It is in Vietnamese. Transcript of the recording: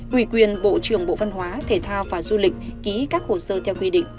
ủy quyền bộ trưởng bộ văn hóa thể thao và du lịch ký các hồ sơ theo quy định